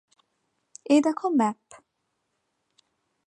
এই দেখো ম্যাপ।